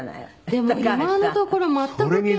「でも今のところ全く気配が」